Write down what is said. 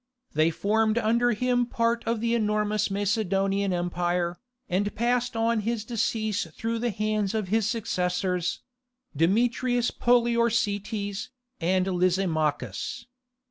They formed under him part of the enormous Macedonian empire, and passed on his decease through the hands of his successors—Demetrius Poliorcetes, and Lysimachus.